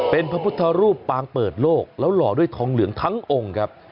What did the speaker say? เป็นพระพุทธรูปปางเปิดโลกแล้วหล่อด้วยทองเหลืองทั้งองค์ครับ